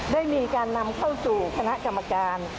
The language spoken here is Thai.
ได้มีการนำเข้าสู่คณะกรรมการ